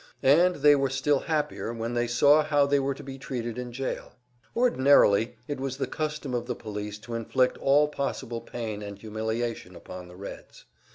And they were still happier when they saw how they were to be treated in jail. Ordinarily it was the custom of the police to inflict all possible pain and humiliation upon the Reds.